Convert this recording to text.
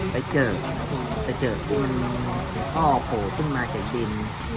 แล้วเจอแล้วเจอท่อโหขึ้นมาจากดิน